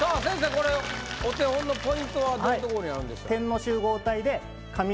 これお手本のポイントどういうとこにあるんでしょう？